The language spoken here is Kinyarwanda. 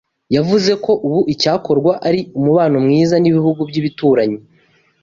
Yavuze ko ubu icyakorwa ari umubano mwiza n’ibihugu by’ibituranyi